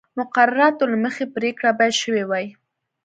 مقرراتو له مخې پرېکړه باید شوې وای